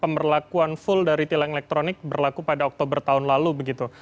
pemberlakuan full dari tilang elektronik berlaku pada oktober tahun lalu begitu